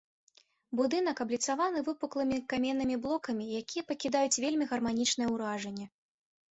Будынак абліцаваны выпуклымі каменнымі блокамі, якія пакідаюць вельмі гарманічнае ўражанне.